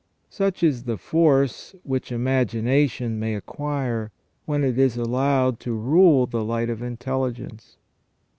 Such is the force which imagination may acquire, when it is allowed to rule the light of intelligence.